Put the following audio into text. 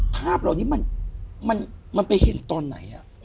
ภาพเหล่านี้มันมันมันไปเห็นตอนไหนอะ